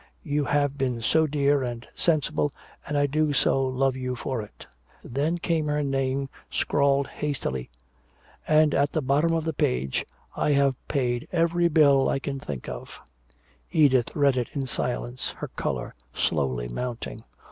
You have been so dear and sensible and I do so love you for it." Then came her name scrawled hastily. And at the bottom of the page: "I have paid every bill I can think of." Edith read it in silence, her color slowly mounting.